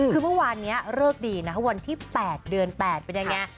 คือเมื่อวานนี้เลิกดีนะวันที่๘เดือน๘เป็นยังไง